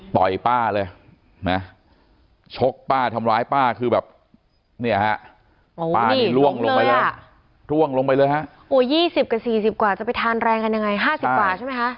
ป้าเลยนะชกป้าทำร้ายป้าคือแบบเนี่ยฮะป้านี่ล่วงลงไปเลยร่วงลงไปเลยฮะโอ้ย๒๐กับ๔๐กว่าจะไปทานแรงกันยังไง๕๐กว่าใช่ไหมคะ